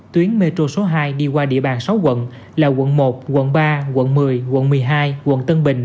tuyến metro số hai đi qua địa bàn sáu quận là quận một quận ba quận một mươi quận một mươi hai quận tân bình